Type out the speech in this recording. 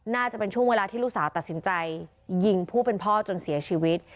น่าจะเป็นช่วงเวลาที่ลูกสาวตัดสินใจยิงผู้เป็นพ่อจนเสียชีวิต